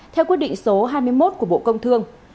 theo quyết định số hai mươi một của bộ công thương